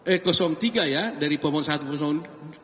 eh tiga ya dari pembohon satu dan tiga